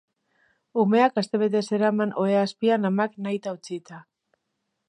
Umeak astebete zeraman ohe azpian amak nahita utzita.